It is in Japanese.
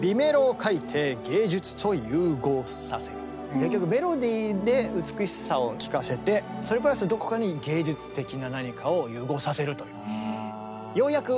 結局メロディーで美しさを聴かせてそれプラスどこかに芸術的な何かを融合させるという。